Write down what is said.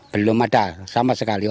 belum ada sama sekali